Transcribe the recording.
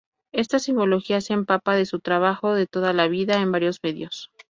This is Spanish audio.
Esta simbología se empapa de su trabajo de toda la vida en varios medios.